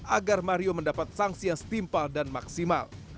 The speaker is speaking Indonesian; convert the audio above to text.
agar mario mendapat sanksi yang setimpal dan maksimal